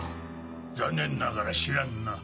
残念ながら知らんな。